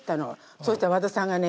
そしたら和田さんがね